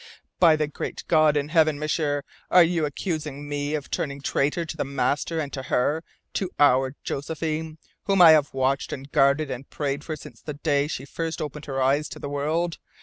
"By the great God in Heaven, M'sieur, are you accusing me of turning traitor to the Master and to her, to our Josephine, whom I have watched and guarded and prayed for since the day she first opened her eyes to the world?